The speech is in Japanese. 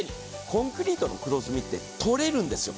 コンクリートの黒ずみって、取れるんですよ